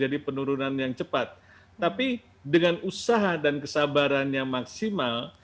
jadi kalau menurunkan penurunan yang cepat tapi dengan usaha dan kesabaran yang maksimal